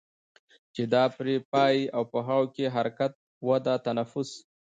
چې دا پرې پايي او په هغو کې حرکت، وده، تنفس